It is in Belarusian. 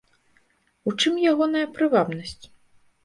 У чым ягоная прывабнасць?